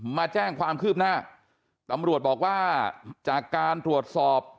มาแจ้งความคืบหน้าตำรวจบอกว่าจากการตรวจสอบ